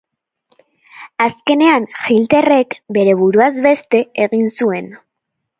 Azkenean Hitlerrek bere buruaz beste egin zuen.